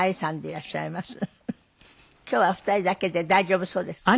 今日は２人だけで大丈夫そうですか？